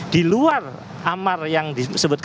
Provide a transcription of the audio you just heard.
di luar amar yang disebut